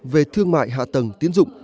về thương mại hạ tầng tiến dụng